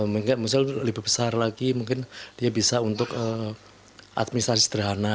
mungkin lebih besar lagi mungkin dia bisa untuk administrasi sederhana